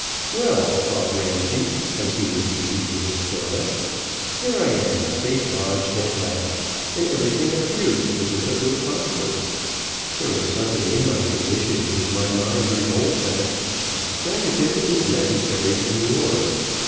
"Well," thought Ramsay, as he was busy with his toilet, "here I am safe lodged at last, and everything appears as if it would prosper. There is something in my position which my mind revolts at, but stratagem is necessary in war.